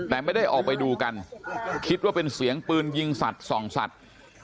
แต่ไม่ได้ออกไปดูกันคิดว่าเป็นเสียงปืนยิงสัตว์ส่องสัตว์